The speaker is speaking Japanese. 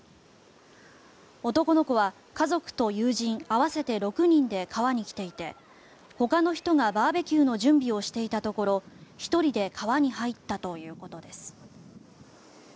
男の子は家族と友人合わせて６人で川に来ていてほかの人がバーベキューの準備をしていたところ１人で川に入ったということです。